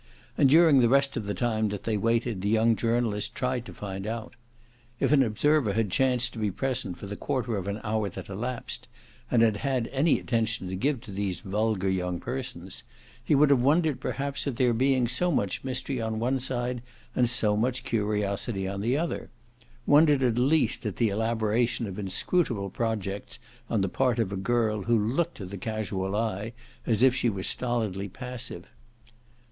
And during the rest of the time that they waited the young journalist tried to find out. If an observer had chanced to be present for the quarter of an hour that elapsed, and had had any attention to give to these vulgar young persons, he would have wondered perhaps at there being so much mystery on one side and so much curiosity on the other wondered at least at the elaboration of inscrutable projects on the part of a girl who looked to the casual eye as if she were stolidly passive.